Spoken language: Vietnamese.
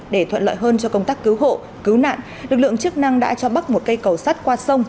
để thuận lợi hơn cho công tác cứu hộ cứu nạn lực lượng chức năng đã cho bắt một cây cầu sắt qua sông